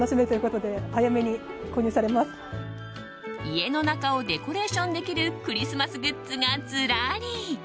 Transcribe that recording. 家の中をデコレーションできるクリスマスグッズが、ずらり！